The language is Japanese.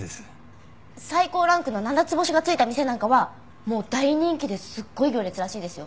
最高ランクの７つ星がついた店なんかはもう大人気ですっごい行列らしいですよ。